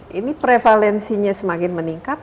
jadi prevalensinya semakin meningkat